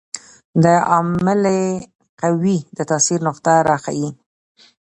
د عاملې قوې د تاثیر نقطه راښيي.